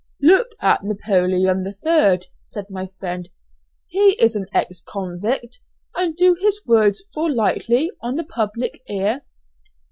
"Look at Napoleon III.," said my friend, "he is an ex convict, and do his words fall lightly on the public ear?"